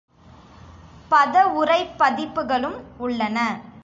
பதவுரைப் பதிப்புகளும் உள்ளன.